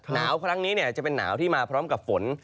หนาวครั้งนี้จะเป็นหนาวที่มาพร้อมกับฝน